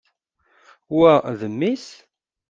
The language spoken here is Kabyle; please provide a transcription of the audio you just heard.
Wa, d mmi-s?